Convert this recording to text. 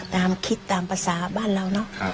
ตามคิดตามภาษาบ้านเราเนอะ